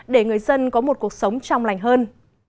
để người dân có một cuộc sống trong lành hơn